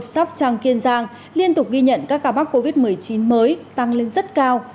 sóc trăng kiên giang liên tục ghi nhận các ca mắc covid một mươi chín mới tăng lên rất cao